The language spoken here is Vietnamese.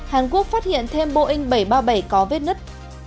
hàn quốc phát hiện thêm boeing bảy trăm ba mươi bảy có vết nứt